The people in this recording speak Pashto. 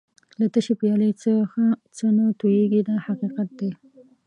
له تشې پیالې څخه څه نه تویېږي دا حقیقت دی.